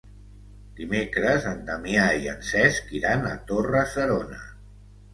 Dimecres en Damià i en Cesc iran a Torre-serona.